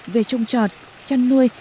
về trông trọt chăn nuôi